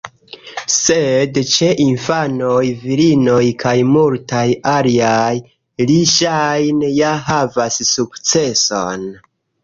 Sed ĉe infanoj, virinoj kaj multaj aliaj, li ŝajne ja havas sukceson.